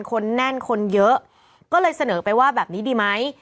คนแน่นคนเยอะก็เลยเสนอไปว่าแบบนี้ดีไหม